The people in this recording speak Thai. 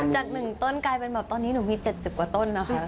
จาก๑ต้นกลายเป็นแบบตอนนี้หนูมี๗๐กว่าต้นนะคะ